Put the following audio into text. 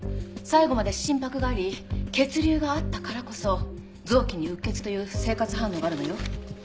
最後まで心拍があり血流があったからこそ臓器にうっ血という生活反応があるのよ。